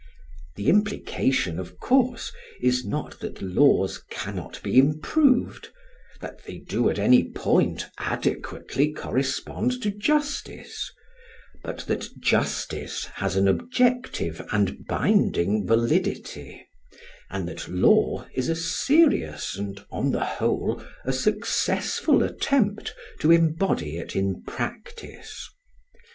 The implication, of course, is not that laws cannot be improved, that they do at any point adequately correspond to justice; but that justice has an objective and binding validity, and that Law is a serious and on the whole a successful attempt to embody it in practice.